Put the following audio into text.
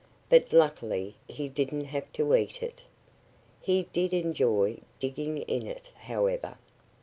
But luckily he didn't have to eat it. He did enjoy digging in it, however.